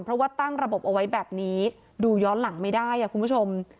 เพราะว่าตั้งระบบเอาไว้แบบนี้ดูย้อนหลังไม่ได้คุณผู้ชม